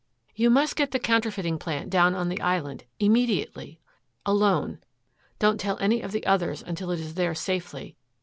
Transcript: "You must get the counterfeiting plant down on the island immediately alone. Don't tell any of the others until it is there safely.